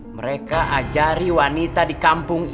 mereka ajari wanita di kampung ini